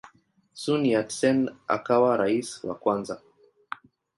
Sun Yat-sen akawa rais wa kwanza.